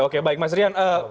oke baik mas rian